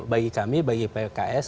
bagi kami bagi pks